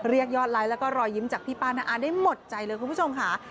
เรียกยอดไลค์แล้วก็รอยยิ้มจากพี่ป้าน้าอาได้หมดใจเลยคุณผู้ชมค่ะ